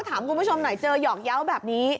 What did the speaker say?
ถามคุณผู้ชมหน่อยเจอหยอกเยาว์แบบนี้